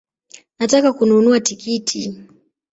Nataka kununua tikiti